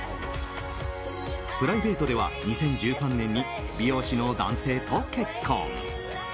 プライベートでは２０１３年に美容師の男性と結婚。